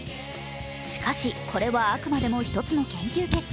しかし、これはあくまでも１つの研究結果。